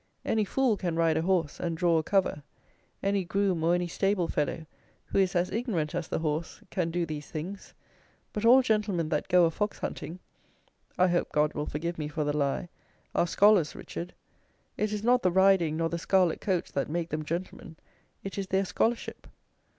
Any fool can ride a horse, and draw a cover; any groom or any stable fellow, who is as ignorant as the horse, can do these things; but all gentlemen that go a fox hunting [I hope God will forgive me for the lie] are scholars, Richard. It is not the riding, nor the scarlet coats, that make them gentlemen; it is their scholarship."